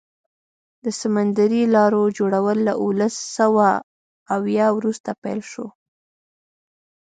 د سمندري لارو جوړول له اوولس سوه اویا وروسته پیل شو.